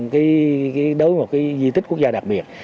đối với một di tích quốc gia đặc biệt